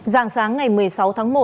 giàng sáng ngày một mươi sáu tháng một